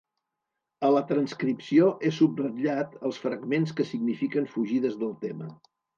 A la transcripció he subratllat els fragments que signifiquen fugides del tema.